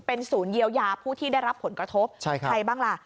เป็นศูนย์เยียวยาผู้ที่ได้รับผลกระทบใช่ใครบ้างล่ะ